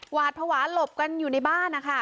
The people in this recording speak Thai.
หวาดภาวะหลบกันอยู่ในบ้านนะคะ